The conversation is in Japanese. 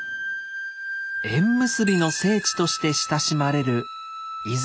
「縁結びの聖地」として親しまれる出雲。